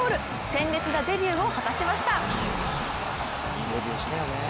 鮮烈なデビューを果たしました。